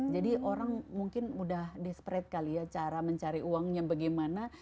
jadi orang mungkin sudah desperate kali ya cara mencari uangnya bagaimana